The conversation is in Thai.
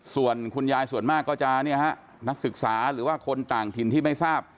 ส่วนคุณยายส่วนมากก็จะนักศึกษาหรือว่าคนต่างถิ่นที่ไม่ทราบ